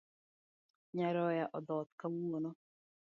Nyaroya odhoth kawuono.